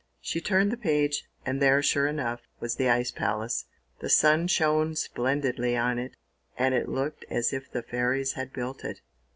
She turned the page, and there, sure enough, was the ice palace. The sun shone splendidly on it, and it looked as if the fairies had built it.